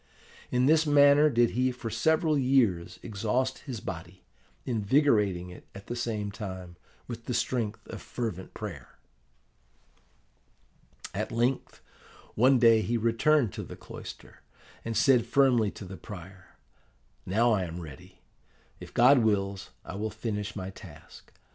In this manner did he for several years exhaust his body, invigorating it, at the same time, with the strength of fervent prayer. "At length, one day he returned to the cloister, and said firmly to the prior, 'Now I am ready. If God wills, I will finish my task.